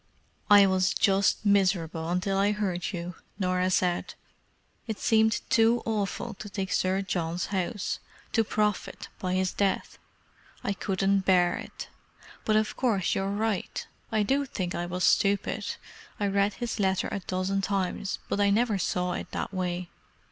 "I was just miserable until I heard you," Norah said. "It seemed too awful to take Sir John's house—to profit by his death. I couldn't bear it. But of course you're right. I do think I was stupid—I read his letter a dozen times, but I never saw it that way."